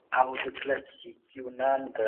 بې نظمي فشار پیدا کوي.